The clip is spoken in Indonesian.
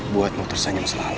buatmu tersenyum selalu